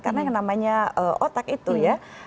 karena yang namanya otak itu ya